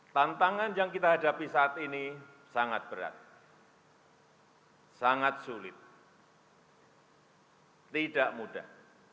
tantangan yang kita hadapi saat ini sangat berat sangat sulit tidak mudah